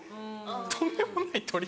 とんでもないトリ？